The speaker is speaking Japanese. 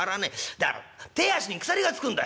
だから手足に鎖がつくんだ」。